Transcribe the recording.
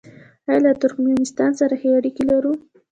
آیا له ترکمنستان سره ښې اړیکې لرو؟